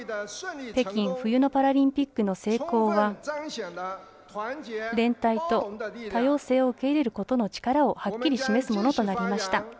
北京冬のパラリンピックの成功は連帯と多様性を受け入れることの力をはっきり示すものとなりました。